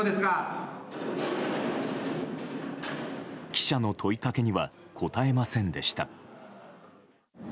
記者の問いかけには答えませんでした。